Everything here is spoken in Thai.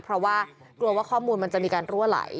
เพราะว่ากลัวว่าข้อมูลมันจะมีการรั่วไหล